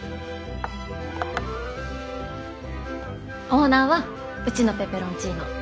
オーナーはうちのペペロンチーノ